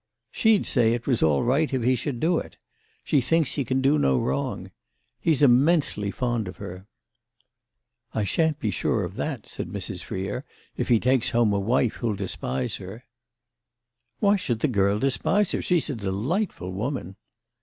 "She'd say it was all right if he should do it. She thinks he can do no wrong. He's immensely fond of her." "I shan't be sure of that," said Mrs. Freer, "if he takes home a wife who'll despise her." "Why should the girl despise her? She's a delightful woman."